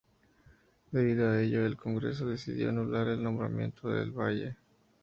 Debido a ello, el Congreso decidió anular el nombramiento de Del Valle.